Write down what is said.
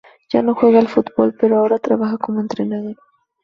Ya no juega al fútbol, pero ahora trabaja como entrenador.